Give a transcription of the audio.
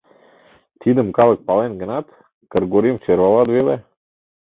Тидым калык пален гынат, Кыргорим сӧрвалат веле.